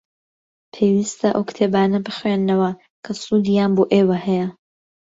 پێویستە ئەو کتێبانە بخوێننەوە کە سوودیان بۆ ئێوە هەیە.